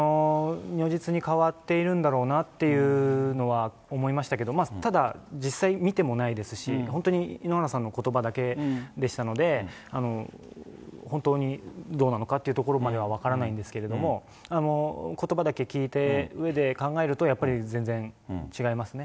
如実に変わっているんだろうなっていうのは思いましたけど、ただ、実際見てもないですし、本当に井ノ原さんのことばだけでしたので、本当にどうなのかっていうところまでは分からないんですけれども、ことばだけ聞いたうえで考えると、やっぱり全然違いますね。